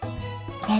dari tenu gitu ya